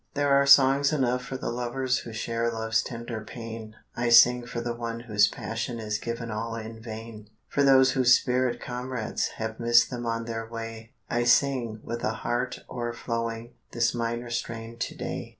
There are songs enough for the lovers Who share love's tender pain, I sing for the one whose passion Is given all in vain. For those whose spirit comrades Have missed them on their way, I sing, with a heart o'erflowing, This minor strain to day.